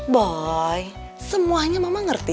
boy semuanya mama ngerti